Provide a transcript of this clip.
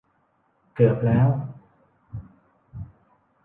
เกือบแล้ว